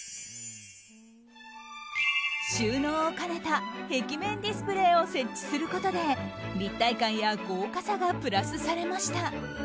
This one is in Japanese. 収納を兼ねた壁面ディスプレーを設置することで立体感や豪華さがプラスされました。